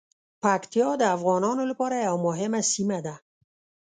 پکتیا د افغانانو لپاره یوه مهمه سیمه ده.